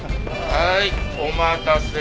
はいお待たせ。